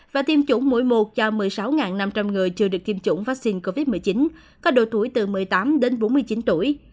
và tiêm chủng mũi một cho một mươi sáu năm trăm linh người chưa được tiêm chủng vaccine covid một mươi chín có độ tuổi từ một mươi tám đến bốn mươi chín tuổi